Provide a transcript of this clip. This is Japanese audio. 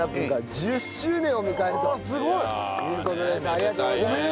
ありがとうございます。